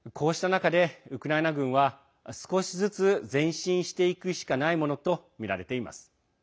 こうした中でウクライナ軍は少しずつ前進していくしかないものとみられています。